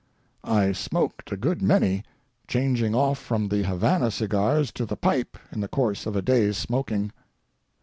I smoked a good many, changing off from the Havana cigars to the pipe in the course of a day's smoking.